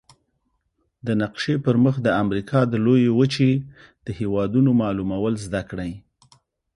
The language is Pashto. د نقشي پر مخ د امریکا د لویې وچې د هېوادونو معلومول زده کړئ.